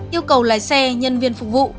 yêu cầu lái xe nhân viên phục vụ